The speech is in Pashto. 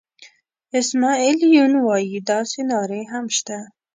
اسماعیل یون وایي داسې نارې هم شته.